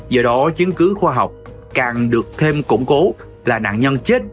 do đó chứng cứ khoa học càng được thêm củng cố là nạn nhân chết